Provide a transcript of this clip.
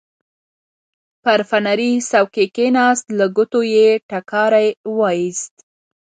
پر فنري څوکۍ کېناست، له ګوتو یې ټکاری وایست.